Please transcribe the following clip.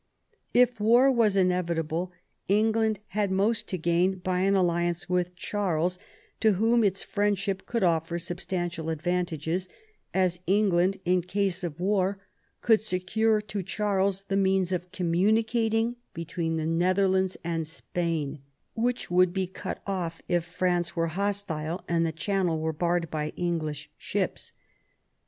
If war was inevitable, England had 76 THOMAS WOLSEY chap. most to gain by an alliance with Charles, to whom its friendship could offer substantial advantages, as England, in case of war, could secure to Charles the means of communicating between the Netherlands and Spain, which would be cut off if France were hostile and the Channel were barred by English ships.